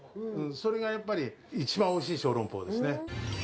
それがやっぱり、一番おいしい小籠包ですね。